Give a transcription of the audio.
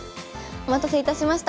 お待たせいたしました。